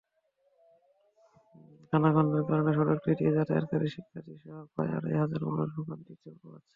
খানাখন্দের কারণে সড়কটি দিয়ে যাতায়াতকারী শিক্ষার্থীসহ প্রায় আড়াই হাজার মানুষ ভোগান্তি পোহাচ্ছে।